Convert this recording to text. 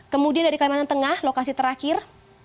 kemudian dari kalimantan tengah lokasi terakhir